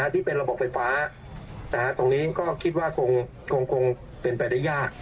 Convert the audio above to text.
ที่เป็นระบบไฟฟ้าตรงนี้ก็คิดว่าคงเป็นไปได้ยาก